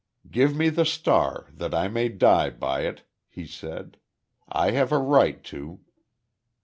"Give me the Star, that I may die by it," he said. "I have a right to."